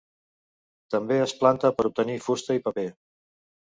També es planta per a obtenir fusta i paper.